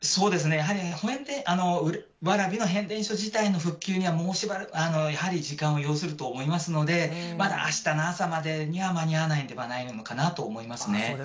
やはり蕨の変電所自体の復旧には、やはり時間を要すると思いますので、まだあしたの朝までには間に合わないのではないのかなと思いますね。